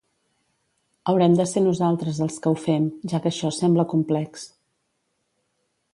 Haurem de ser nosaltres els que ho fem, ja que això sembla complex.